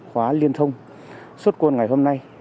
khóa liên thông xuất quân ngày hôm nay